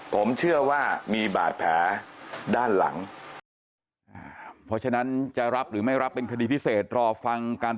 ผมเชื่อว่ามีบาดแผลด้านหลัง